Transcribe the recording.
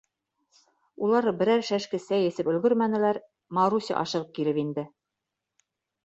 Улар берәр шәшке сәй эсеп өлгөрмәнеләр, Маруся ашығып килеп инде.